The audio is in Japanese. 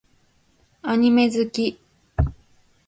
アニメ好き